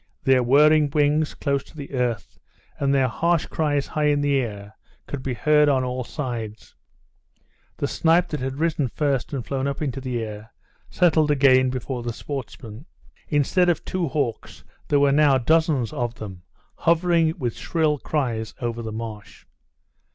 Their whirring wings close to the earth, and their harsh cries high in the air, could be heard on all sides; the snipe that had risen first and flown up into the air, settled again before the sportsmen. Instead of two hawks there were now dozens of them hovering with shrill cries over the marsh.